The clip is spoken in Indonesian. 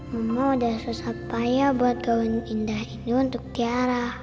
mama udah susah payah buat gaun indah ini untuk tiara